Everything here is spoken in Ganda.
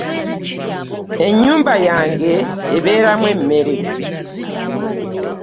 Ennyumba yange ebeeremu emmere.